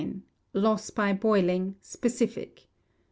Loss by Boiling (Specific).